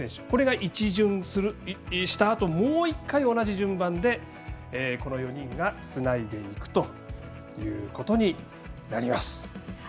これが一巡したあともう１回、同じ順番でこの４人がつないでいくということになります。